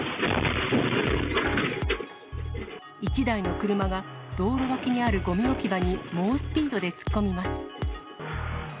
１台の車が道路脇にあるごみ置き場に猛スピードで突っ込みます。